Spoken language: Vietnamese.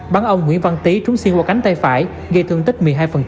bắn ông nguyễn văn tý trúng c qua cánh tay phải gây thương tích một mươi hai